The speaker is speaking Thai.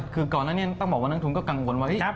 อ๋อคือก่อนหน้านี้ต้องบอกว่านางทุงก็กังวลว่า